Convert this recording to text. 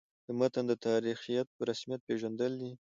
د متن د تاریخیت په رسمیت پېژندل دي.